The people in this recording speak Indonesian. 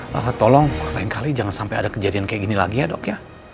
bahwa tolong lain kali jangan sampai ada kejadian kayak gini lagi ya dok ya